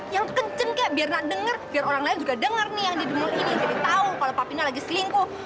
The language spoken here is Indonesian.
yang kenceng kayak biar nak denger biar orang lain juga denger nih yang di mall ini jadi tau kalau papi ini lagi selingkuh